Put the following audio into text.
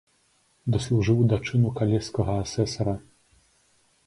Даслужыў да чыну калежскага асэсара.